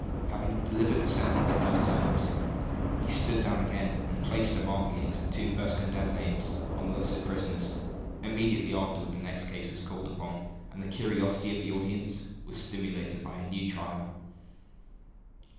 Having delivered the sentence in those terms, he sat down again, and placed a mark against the two first condemned names on the list of prisoners. Immediately afterward the next case was called on, and the curiosity of the audience was stimulated by a new trial.